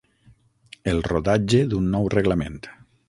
El rodatge d'un nou reglament.